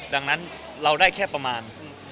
ดังนั้นเราได้แค่ประมาณ